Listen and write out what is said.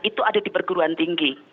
itu ada di perguruan tinggi